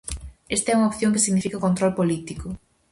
Esta é unha opción que significa o control político.